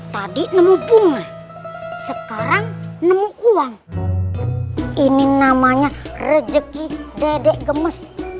tadi nemu bunga sekarang nemu uang ini namanya rejeki dedek gemes